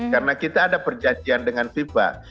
karena kita ada perjanjian dengan fifa